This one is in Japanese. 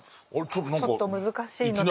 ちょっと難しいので。